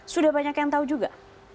sudah banyak yang tahu juga